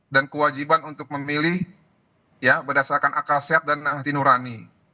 kewajiban untuk memilih berdasarkan akal sehat dan hati nurani